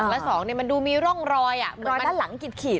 แล้วสองเนี่ยมันดูมีร่องรอยอ่ะรอยด้านหลังกิดขีดอ่ะ